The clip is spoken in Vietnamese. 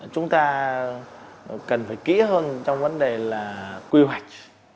chúng ta cần phải kỹ hơn trong vấn đề là quy hoạch